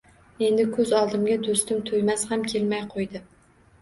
Endi ko‘z oldimga do‘stim Toymas ham kelmay qo‘ydi